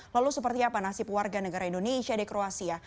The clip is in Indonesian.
lalu seperti apa nasib warga negara indonesia di kroasia